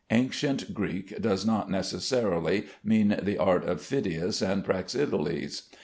Ancient Greek does not necessarily mean the art of Phidias and Praxiteles.